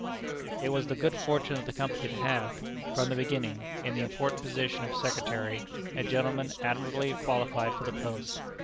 It was the good fortune of the Company to have, from the beginning, in the important position of Secretary, a gentleman admirably qualified for the post.